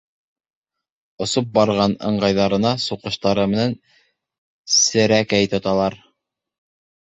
Осоп барған ыңғайҙарына суҡыштары менән серәкәй тоталар.